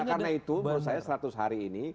karena itu menurut saya seratus hari ini